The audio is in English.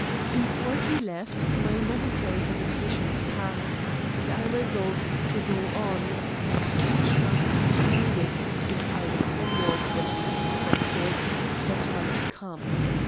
Before he left my momentary hesitation had passed, and I resolved to go on, and to trust to my wits to get out of any awkward consequences that might come.